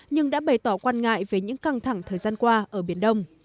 nhưng đã bày tỏ quan ngại về những căng thẳng thời gian qua ở biển đông